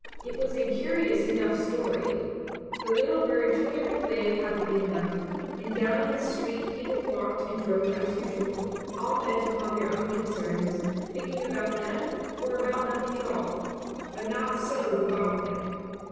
It was a curious enough story; the little bird twittered away happily enough, and down in the street people walked and drove as usual, all bent upon their own concerns, thinking about them, or about nothing at all; but not so the bottle neck.